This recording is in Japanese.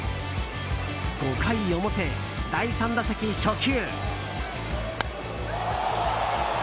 ５回表、第３打席初球。